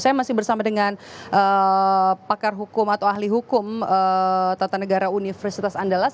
saya masih bersama dengan pakar hukum atau ahli hukum tata negara universitas andalas